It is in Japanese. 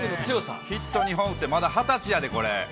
ヒット２本打って、まだ２０歳やで、これ。